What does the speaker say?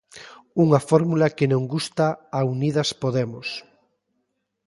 Unha fórmula que non gusta a Unidas Podemos.